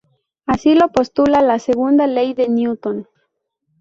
Así lo postula la Segunda Ley de Newton.